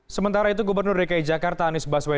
sementara itu gubernur dki jakarta anies baswedan